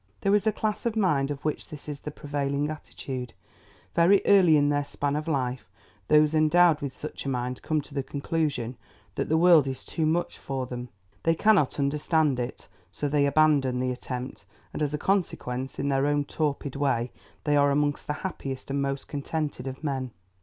There is a class of mind of which this is the prevailing attitude. Very early in their span of life, those endowed with such a mind come to the conclusion that the world is too much for them. They cannot understand it, so they abandon the attempt, and, as a consequence, in their own torpid way they are among the happiest and most contented of men.